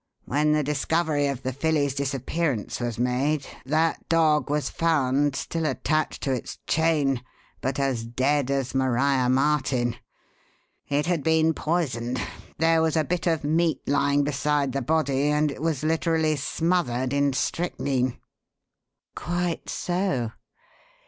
When the discovery of the filly's disappearance was made that dog was found still attached to its chain, but as dead as Maria Martin. It had been poisoned. There was a bit of meat lying beside the body and it was literally smothered in strychnine." "Quite so.